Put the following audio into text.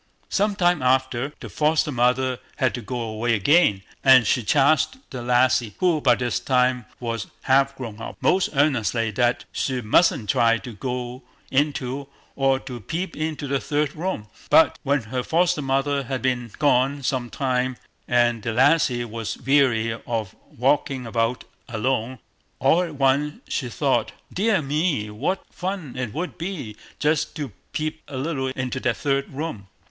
Some time after, the foster mother had to go away again, and she charged the lassie, who by this time was half grown up, most earnestly that she mustn't try to go into, or to peep into, the third room. But when her foster mother had been gone some time, and the lassie was weary of walking about alone, all at once she thought, "Dear me, what fun it would be just to peep a little into that third room."